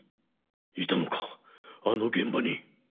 いたのかあの現場に。